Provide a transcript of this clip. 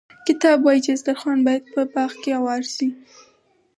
کتاب وايي چې دسترخوان باید په باغ کې اوار شي.